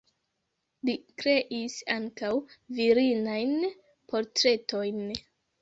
Li kreis ankaŭ virinajn portretojn.